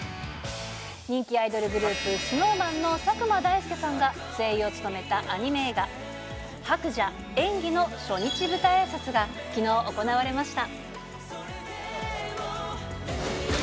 人気アイドルグループ、ＳｎｏｗＭａｎの佐久間大介さんが、声優を務めたアニメ映画、白蛇・縁起の初日舞台あいさつがきのう行われました。